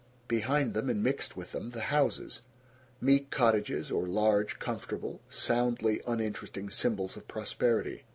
Behind them and mixed with them, the houses, meek cottages or large, comfortable, soundly uninteresting symbols of prosperity.